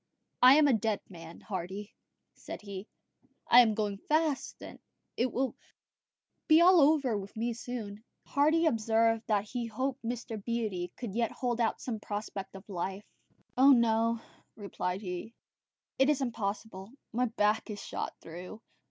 "I am a dead man, Hardy," said he; "I am going fast; it will be all over with me soon." Hardy observed that he hoped Mr. Beatty could yet hold out some prospect of life. "Oh, no," he replied; "it is impossible. My back is shot through.